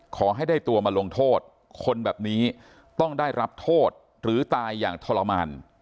ขอให้ทรวมมาลงโทษคนแบบนี้ต้องรับโทษหรือตายอย่างทระมาณ